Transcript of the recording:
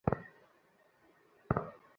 চিন্তা করো না, বালক।